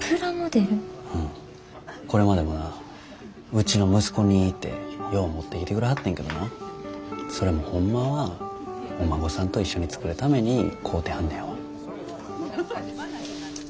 これまでもなうちの息子にってよう持ってきてくれはってんけどなそれもホンマはお孫さんと一緒に作るために買うてはんねやわ。